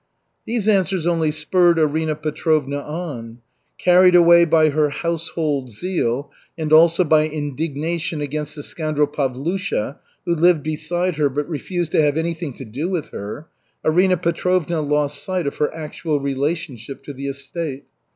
These answers only spurred Arina Petrovna on. Carried away by her household zeal, and also by indignation against the "scoundrel Pavlusha," who lived beside her but refused to have anything to do with her, Arina Petrovna lost sight of her actual relationship to the estate.